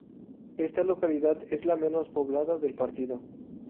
Esta localidad es la menos poblada del partido.